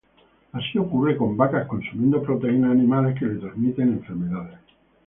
Así ocurre con vacas consumiendo proteínas animales, que le transmiten enfermedades.